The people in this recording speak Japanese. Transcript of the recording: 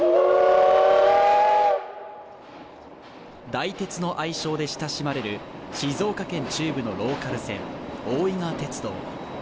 だいてつの愛称で親しまれる静岡県中部のローカル線大井川鐵道。